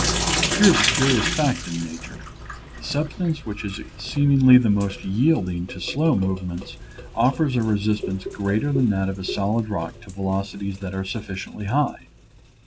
Here is a curious fact in nature; the sub stance which is seemingly the most yielding to slow movements offers a resistance greater than that of a solid rock to velocities that are sufficiently high.